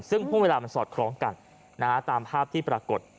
ซึ่งห่วงเวลามันสอดคล้องกันตามภาพที่ปรากฏ